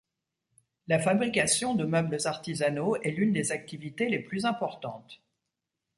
La fabrication de meubles artisanaux est l'une des activités les plus importantes.